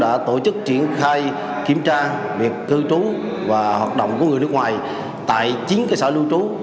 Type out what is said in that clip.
đã tổ chức triển khai kiểm tra việc cư trú và hoạt động của người nước ngoài tại chín cơ sở lưu trú